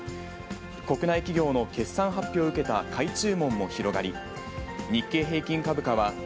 国内企業の決算発表を受けた買い注文も広がり、日経平均株価は、以上、